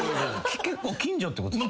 結構近所ってこと？